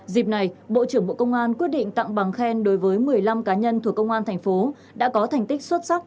dịp này bộ trưởng bộ công an quyết định tặng bằng khen đối với một mươi năm cá nhân thuộc công an thành phố đã có thành tích xuất sắc